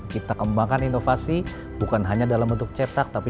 kita kembangkan inovasi bukan hanya dalam bentuk cetak tapi